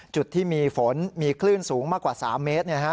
จุดที่มีฝนมีคลื่นสูงมากกว่า๓เมตร